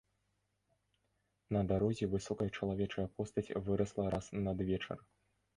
На дарозе высокая чалавечая постаць вырасла раз надвечар.